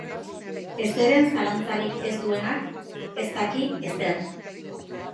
Ezeren zalantzarik ez duenak ez daki ezer.